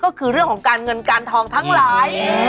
ก็คือเรื่องของการเงินการทองทั้งหลาย